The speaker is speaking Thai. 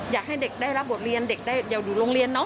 อยากให้เด็กได้รับบทเรียนเด็กได้อยากอยู่โรงเรียนเนาะ